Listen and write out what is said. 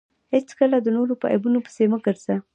هېڅکله د نورو په عیبو پيسي مه ګرځه!